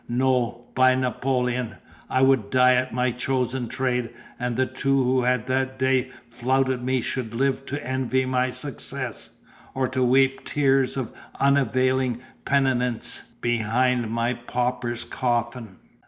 No, by Napoleon! I would die at my chosen trade; and the two who had that day flouted me should live to envy my success, or to weep tears of unavailing penitence behind my pauper coffin.